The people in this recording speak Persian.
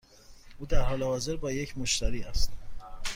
او در حال حاضر با یک مشتری است.